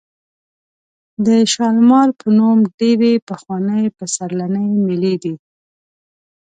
د شالمار په نوم ډېرې پخوانۍ پسرلنۍ مېلې دي.